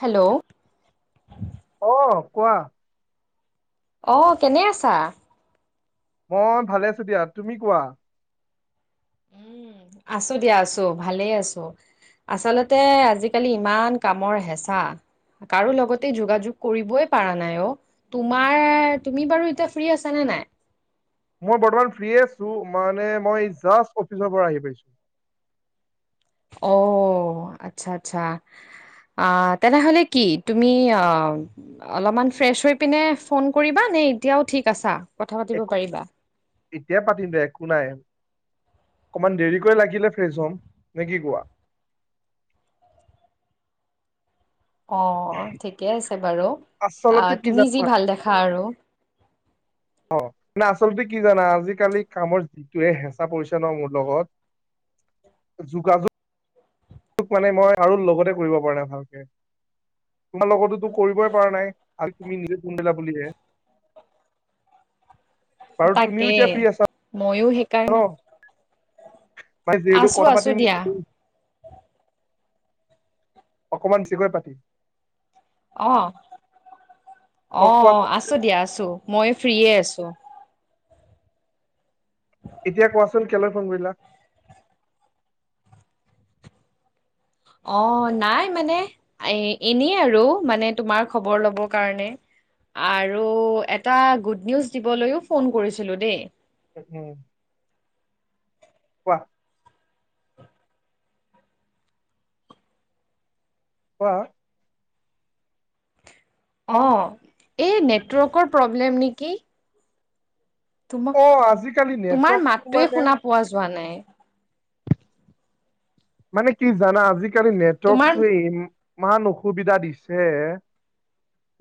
Hello. Hello, অ, কোৱা। অ', কেনে আছা? মই ভালে আছো দিয়া। তুমি কোৱা? উম, আছো দিয়া, আছো ভালে আছো। আচলতে, আজিকালি ইমান কামৰ হেঁচা। কাৰো লগতে যোগাযোগ কৰিবই পৰা নাই অ'। তোমাৰ, তুমি বাৰু এতিয়া ফ্ৰী আছা নে নাই? মই বৰ্তমান ফ্ৰী আছো। মানে মই জাষ্ট অফিচৰ পৰা আহি পাইছো। অ', আতচ্ছা, আতচ্ছা। আ, তেনেহলে কি তুমি আ? অলপমান ফ্ৰেছ হৈ পিনে ফোন কৰিবা নে, এতিয়াও ঠিক আছা, কথা পাতিব পাৰিবা? এতিয় পাতিম দে একো নাই। অকমান দেৰিকৈ লাগিলে ফ্ৰেছ হম, নে কি কোৱা। অঁ', ঠিকে আছে বাৰু, অ', আচলতে কি তুমি জানা যি ভাল দেখা আৰু। অ, আচলতে কি জানা আজিকালি কামৰ যিটোৱে হেঁচা পৰিছে ন মোৰ লগত। যোগাযোগ মানে মই, কাৰো লগতে কৰিব পৰা নাই ভালকে। তোমাৰ লগতোতো কৰিবই পৰা নাই, আজি তুমি নিজে ফোন কৰিলা বুলিহে। বাৰু তুমিও তাকে এতিয়া ফ্ৰী আছা ময়ো সেই ন কাৰণে, মানে যিহেতু আছো, কথা পাতিম আছো দিয়া। অকণমান বেছিকৈ পাতিম অহ, অ, আছো দিয়া আছো মই ফ্ৰীয়ে আছো। এতিয়া কোৱাচোন কেলৈ ফোন কৰিলা? অ, নাই মানে। এ এনেই আৰু, মানে তোমাৰ খবৰ লব কাৰণে। আৰু এটা গুড নিউজ দিবলৈও ফোন কৰিছিলোঁ দেই। উম। কোৱা? কোৱা? অহ, এই নেটৱৰ্কৰ প্ৰব্লেম নেকি? অ' তোমাক আজিকালি তোমাৰ নেটৱৰ্কটো মাতটোৱে মানে শুনা পোৱা যোৱা নাই। মানে কি জানা? আজিকালি তোমাৰ নেটৱৰ্কতো ইম- মান অসুবিধা দিছে।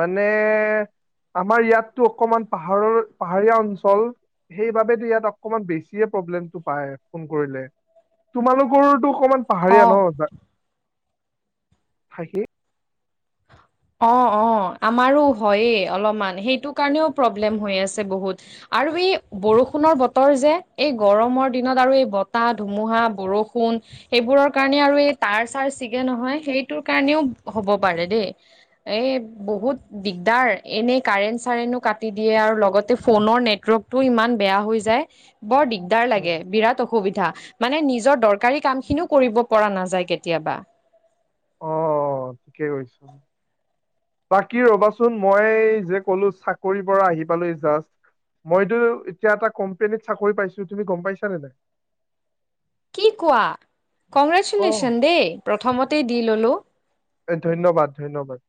মানে- আমাৰ ইয়াতটো অকমান পাহাৰৰ পাহাৰীয়া অঞ্চল- সেইবাবেতো ইয়াত অকমান বেছিয়ে প্ৰব্লেমটো পায় ফোন কৰিলে। তোমালোকৰ- টো অকমান পাহাৰীয়া অ ন তাত ঠাই খিনি। [inaudible] অঁ অঁ আমাৰো হয়েই অলমান, সেইটো কাৰণেও প্ৰব্লেম হৈ আছে বহুত। আৰু এই বৰষুণৰ বতৰ যে, এই গৰমৰ দিনত আৰু এই বতাহ, ধুমুহা, বৰষুণ- সেইবোৰৰ কাৰণে আৰু এই তাঁৰ চাৰ ছিগে নহয়, সেইটোৰ কাৰণেও হ'ব পাৰে দেই। এ বহুত দিগদাৰ। এনেই কাৰেণ্ট চাৰেণ্টো কাটি দিয়ে আৰু লগতে ফোনৰ নেটৱৰ্ক- টো ইমান বেয়া হৈ যায়। বৰ দিক- দাৰ উম, লাগে বিৰাট অসুবিধা মানে নিজৰ দৰকাৰী কাম খিনিও কৰিব পৰা নাযায় কেতিয়াবা। অ' ঠিকেই কৈছো। বাকী ৰ'বাচোন মই যে ক'লো চাকৰিৰ পৰা আহি পালোহি জাষ্ট। মইতো এতিয়া এটা কোম্পেনীত চাকৰি পাইছো, তুমি গম পাইছা নে নাই? কি কোৱা? অ' কংগ্ৰেচুলেশ্যন দেই প্ৰথমতেই দি ল'লো। এই ধন্যবাদ ধন্যবাদ।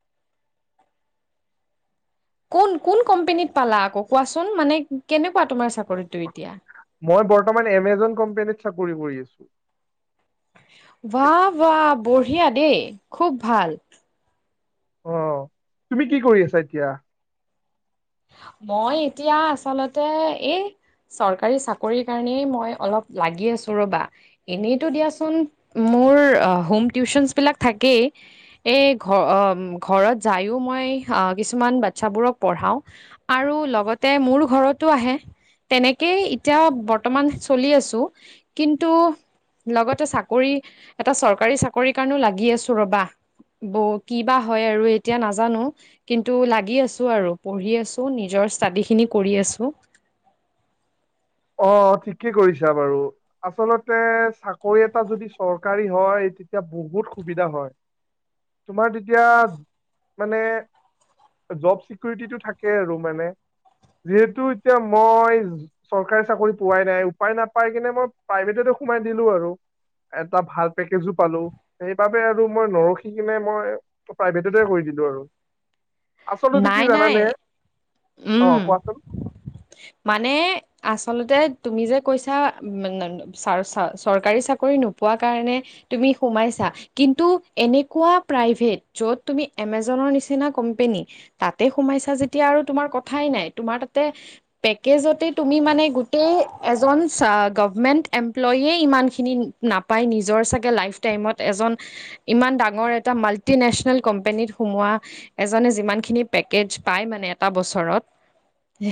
কোন কোন কোম্পেনীত পালা আকৌ কোৱাচোন? মানে কেনেকুৱা তোমাৰ চাকৰিটো এতিয়া? মই বৰ্তমান এমেজন কোম্পেনীত চাকৰি কৰি আছো। বাহ বাহ বঢ়িয়া দেই, খুব ভাল। অহ' তুমি কি কৰি আছা এতিয়া? মই এতিয়া আচলতে এই- চৰকাৰী চাকৰিৰ কাৰণেই মই অলপ লাগি আছো ৰ'বা। এনেইতো দিয়াচোন, মোৰ আ হোম টিউচনচ বিলাক থাকেই- এই ঘ অ ঘৰত যায়ো মই কিছুমান বাতচ্ছাবোৰক পঢ়াওঁ, - আৰু লগতে মোৰ ঘৰতো আহে। তেনেকেই এতিয়া বৰ্তমান চলি আছো। কিন্তু, - লগতে চাকৰি এটা চৰকাৰী চাকৰিৰ কাৰণেও লাগি আছো ৰ'বা। ব কিবা হয় আৰু এতিয়া নাজানো। কিন্তু, লাগি আছো আৰু। পঢ়ি আছো, নিজৰ ষ্টাডিখিনি কৰি আছো। অ' ঠিকেই কৰিছা বাৰু। আচলতে চাকৰি এটা যদি চৰকাৰী হয়, তেতিয়া বহুত সুবিধা হয়। তোমাৰ তেতিয়া, মানে- জব চিকিউৰিটিটো থাকে আৰু মানে। যিহেতু এতিয়া মই- চৰকাৰী চাকৰি পোৱাই নাই। উপায় নাপাই কিনে মই প্ৰাইভেটতে সোমাই দিলো আৰু। এটা ভাল পেকেজো পালো, সেইবাবে আৰু মই নৰখি কিনে মই- প্ৰাইভেটতে কৰি দিলো আৰু। [inaudible] আচলতে কি নাই নাই জানানে? অঁ উম কোৱাচোন। মানে আচলতে তুমি যে কৈছা, মানে নে- চাৰ চাৰ চৰকাৰী চাকৰি নোপোৱা কাৰণে তুমি সোমাইছা- কিন্তু, এনেকুৱা প্ৰাইভেট য'ত তুমি এমেজনৰ নিচিনা কোম্পেনী- তাতে সোমাইছা যেতিয়া আৰু তোমাৰ কথাই নাই। তোমাৰ তাতে- পেকেজতে তুমি মানে গোটেই এজন চা গভমেন্ট এমপ্লইয়ে ইমানখিনি- নাপায় নিজৰ চাগে, লাইফ টাইমত এজন ইমান ডাঙৰ এটা মাল্টিনেচনেল কোম্পানীত সোমোৱা এজনে যিমান খিনি পেকেজ পায় মানে এটা বছৰত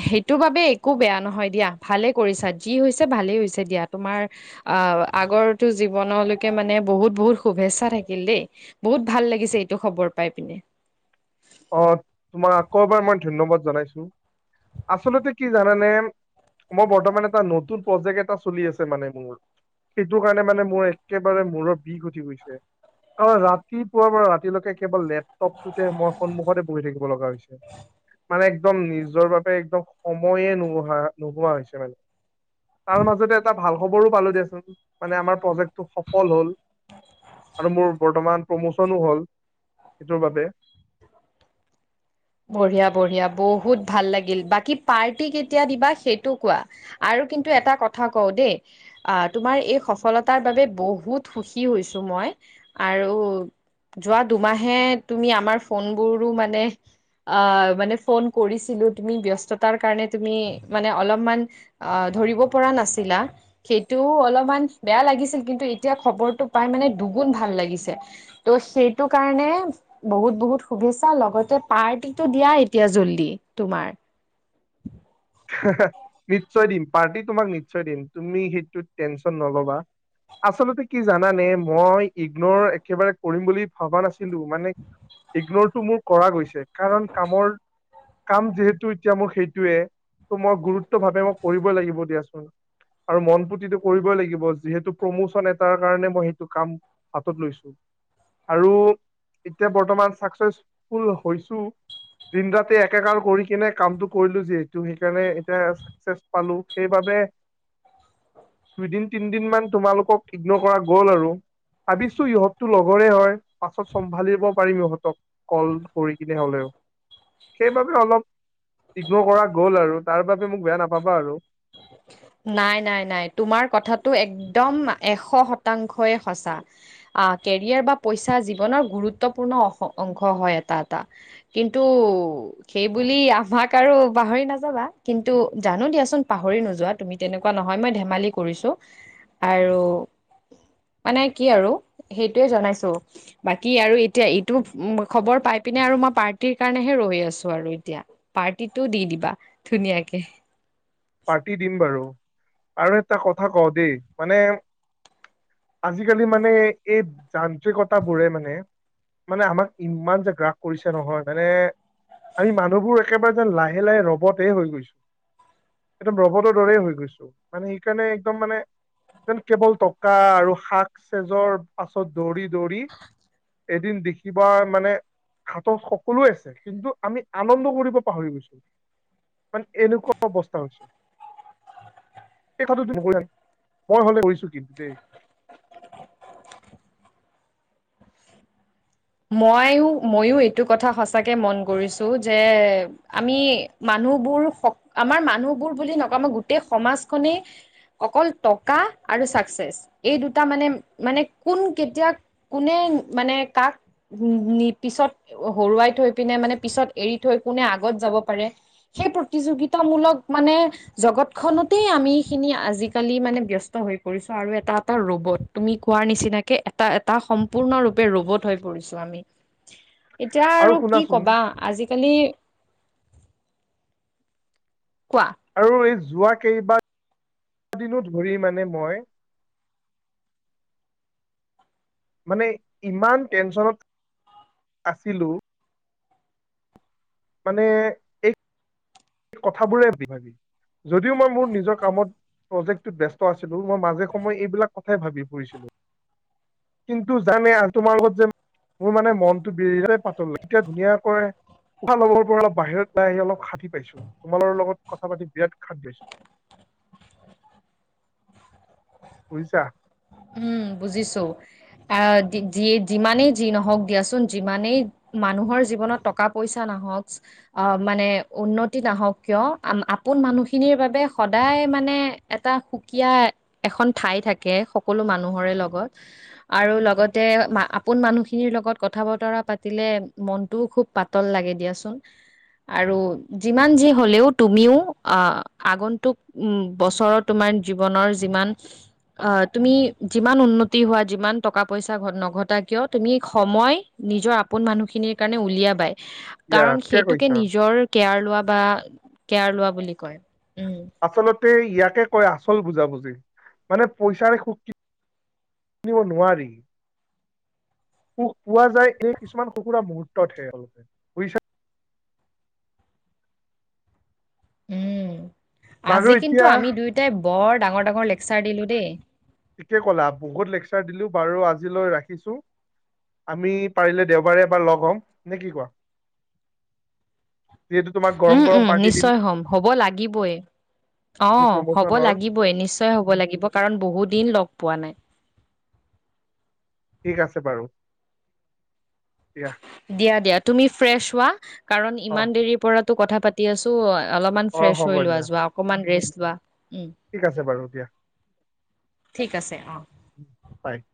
সেইটো বাবে একো বেয়া নহয় দিয়া, ভালে কৰিছা যি হৈছে ভালেই হৈছে দিয়া। তোমাৰ আঁহ আগৰটো জীৱনলৈকে মানে বহুত বহুত শুভেচ্ছা থাকিল দেই। বহুত ভাল লাগিছে এইটো খবৰ পাই পিনে। অঁ তোমাক আকৌ এবাৰ মই ধন্যবাদ জনাইছো, আচলতে কি জানানে মই বৰ্তমান এটা নতুন প্ৰজেক্ট এটা চলি আছে মানে মোৰ। সেইটো কাৰণে মানে মোৰ একেবাৰে মূৰৰ বিষ উঠি গৈছে। অঁ ৰাতিপুৱাৰ পৰা ৰাতিলৈকে কেৱল লেপটপটোতে মই সন্মুখতে বহি থাকিব লগা হৈছে। মানে একদম নিজৰ বাবে একদম সময়ে নোহা নোহোৱা হৈছে মানে। তাৰ মাজতে এটা ভাল খবৰো পালোঁ দিয়াচোন, মানে আমাৰ প্ৰজেক্টটো সফল হ'ল। আৰু মোৰ বৰ্তমান প্ৰমোচনো হ'ল সেইটোৰ বাবে। বঢ়িয়া বঢ়িয়া বহুত ভাল লাগিল, বাকী পাৰ্টি কেতিয়া দিবা সেইটো কোৱা। আৰু কিন্তু এটা কথা কওঁ দেই আহ তোমাৰ এই সফলতাৰ বাবে বহুত সুখী হৈছো মই, আৰু যোৱা দুমাহে তুমি আমাৰ ফোনবোৰো মানে আঁহ মানে ফোন কৰিছিলো তুমি ব্যস্ততাৰ কাৰণে তুমি মানে অলপমান আঁহ ধৰিব পৰা নাছিলা। সেইটোও অলপমান বেয়া লাগিছিল কিন্তু, এতিয়া খবৰটো পাই মানে দুগুণ ভাল লাগিছে। ত' সেইটো কাৰণে বহুত বহুত শুভেচ্ছা লগতে পাৰ্টি টো দিয়া এতিয়া জল্দি তোমাৰ। নিশ্চয় দিম পাৰ্টি তোমাক নিশ্চয় দিম, তুমি সেইটোত টেনশ্যন নল'বা। আচলতে কি জানানে, মই ইগনৰ একেবাৰে কৰিম বুলি ভবা নাছিলো মানে ইগনৰটো মোৰ কৰা গৈছে। কাৰণ কামৰ কাম যিহেতু এতিয়া মোৰ সেইটোৱে ত মই গুৰুত্ব ভাৱে মই কৰিবই লাগিব দিয়াচোন। আৰু মন পুতিটো কৰিবই লাগিব, যিহেতু প্ৰমোচন এটাৰ কাৰণে মই সেইটো কাম হাতত লৈছো। আৰু এতিয়া বৰ্তমান ছাকচ্ছেফুল হৈছো। দিন ৰাতি একেকাৰ কৰি কিনে কামটো কৰিলো যিহেতু, সেই কাৰণে এতিয়া চাকচেচ পালো। সেইবাবে দুইদিন তিনদিন মান তোমালোকক ইগনৰ কৰা গ'ল আৰু। ভাবিছো ইহঁতো লগৰে হয়, পাছত চম্ভালিব পাৰিম ইহঁতক। কল কৰি কিনে হ'লেও, সেইবাবে অলপ ইগনোৰ কৰা গ'ল আৰু। তাৰ বাবে মোক বেয়া নাপাবা আৰু। নাই নাই নাই, তোমাৰ কথাটো একদম এশ শতাংশই সঁচা। আহ কেৰিয়াৰ বা পইচা জীৱনৰ গুৰুত্বপূৰ্ণ অশ অংশ হয় এটা এটা। কিন্তু সেইবুলি আমাক আৰু পাহৰি নাযাবা, কিন্তু জানো দিয়াচোন, পাহৰি নোযোৱা। তুমি তেনেকুৱা নহয়, মই ধেমালি কৰিছোঁ, আৰু মানে কি আৰু সেইটোয়ে জনাইছো। বাকী আৰু এতিয়া এইটো খবৰ পাই পিনে আৰু মই পাৰ্টিৰ কাৰণেহে ৰৈ আছোঁ আৰু এতিয়া। পাৰ্টিটো দি দিবা ধুনীয়াকে। পাৰ্টি দিম বাৰু আৰু একটা কথা কওঁ দেই মানে। আজিকালি মানে এই যান্ত্ৰিকতাবোৰে মানে। মানে আমাক ইমান যে গ্ৰাস কৰিছে নহয় মানে। আমি মানুহবোৰ একেবাৰে যেন লাহে লাহে ৰবট হৈ গৈছোঁ। একদম ৰবটৰ দৰে হৈ গৈছো মানে সেইকাৰণে একদম মানে এন কেৱল টক টকা আৰু শাক চেজৰ পাছত দৌৰি দৌৰি। এদিন দেখিবা মানে, হাতত সকলোৱে আছে কিন্তু আমি আনন্দ কৰিব পাহৰি গৈছোঁ মানে এনকা অ বস্ত হৈছে এই কথাতো ন, মই হ'লে কৰিছো কিন্তু দেই। ময়ো ময়ো এইটো কথা সঁচাকে মন কৰিছোঁ যে আমি মানুহবোৰ সক, আমাৰ মানুহবোৰ বুলি নকওঁ, গোটেই সমাজখনে অকল টকা আৰু ছাকচেছ, এই দুটা মানে মানে কোন কেতিয়া কোনো মানে কাক, নি পিছত হৰুৱাই থৈ পিনে মানে পিছত এৰি থৈ কোনে আগত যাব পাৰে। সেই প্ৰতিযোগিতামূলক মানে জগতখনতেই আমি খিনি আজিকালি মানে ব্যস্ত হৈ পৰিছোঁ আৰু এটা এটা ৰবট তুমি কোৱাৰ নিচিনাকে এটা এটা সম্পূৰ্ণৰূপে ৰবট হৈ পৰিছো আমি এতিয়া আৰু কি কবা আজিকালি, কোৱা আৰু এই যোৱা কেইবা দিনো ধৰি মানে মই, মানে ইমান টেনচনত আছিলো। মানে, সে কথাবোৰে ভাবি ভাবি যদিও মই মোৰ নিজৰ কামত, প্ৰজেক্টটোত ব্যস্ত আছিলো মই মাজে সময় এইবিলাক কথাই ভাবি ফুৰিছিলো, কিন্তু জানে আ তোমাৰ লগত যে, মোৰ মানে মনটো বিৰাট পাতল এতিয়া ধুনীয়াকৈ তোমাৰ লগৰবোৰ অলপ বাহিৰত ওলাই আহি অলপ হানতি পাইছোঁ, তোমালোকৰ লগত কথা পাতি বিৰাট শান্তি পাইছোঁ। বুজিছা? উম বুজিছো আহ যিয়ে যিমানেই যি নহওক দিয়াচোন যিমানেই, মানুহৰ জীৱনত টকা পইচা নাহকছ আ মানে উন্নতি নাহওক কিয় আম আপোন মানুহখিনিৰ বাবে সদায় মানে, এটা সুকীয়া এখন ঠাই থাকে সকলো মানুহৰে লগত, আৰু লগতে আপোন মানুহখিনিৰ লগত কথা বতৰা পাতিলে মনটোও খুব, পাতল লাগে দিয়াচোন। আৰু যিমান যি হ'লেও তুমিও আ আগন্তুক, উম বছৰত তোমাৰ জীৱনৰ যিমান আহ, তুমি যিমান উন্নতি হোৱা, যিমান টকা-পইচা ঘ নঘটা নহওক কিয়, তুমি সময়, নিজৰ আপোন মানুহখিনিৰ কাৰণে উলিয়াবই, ইয়া কাৰণ ঠিকে সেইটোকে কৈছা নিজৰ কেয়াৰ লোৱা বা কেয়াৰ লোৱা বুলি কয়, উম। আচলতে ইয়াকে কয়, আচল বুজাবুজি মানে পইচাৰে সুখ কিনিব নোৱাৰি। সুখ পোৱা যায় এই কিছুমান সৰু সোৰা মুহূৰ্তহে, আৰু বুজিছা। উম, বাৰু আজি কিন্তু এতিয়া আমি দুয়োটাই বৰ ডাঙৰ ডাঙৰ লেকচাৰ দিলোঁ দেই। ঠিকেই ক'লা, বহুত লেকচাৰ দিলোঁ বাৰু আজিলৈ ৰাখিছোঁ। আমি পাৰিলে দেওবাৰে এবাৰ লগ হ'ম নে কি, কোৱা? যিহেতু তোমাক উম, গৰম উম, গৰম পাৰ্টি নিশ্চয় দিম। হ'ম, হ'ব লাগিবই মোৰ অ' হ'ব প্ৰমোচনৰ লাগিবই নিশ্চয়। নিশ্চয় হ'ব লাগিব কাৰণ বহু দিন লগ পোৱা নাই। ঠিক আছে বাৰু দিয়া। দিয়া দিয়া তুমি ফ্ৰেছ হোৱা কাৰণ অ ইমান দেৰি পৰাতো কথা পাতি- পাতি আছোঁ অলপমান অ ফ্ৰেছ হ'ব হৈ লোৱা দিয়া যোৱা অকমান ৰেষ্ট লোৱা উমঁ'। ঠিক আছে বাৰু দিয়া ঠিক আছে, অ'। হঁয়।